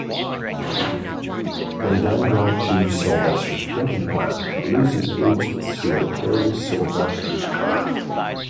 They then drive to Sylvester's printing plant, losing agents who are tailing Sylvester's car.